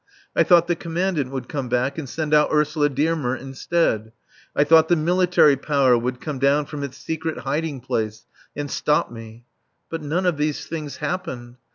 I thought the Commandant would come back and send out Ursula Dearmer instead. I thought the Military Power would come down from its secret hiding place and stop me. But none of these things happened.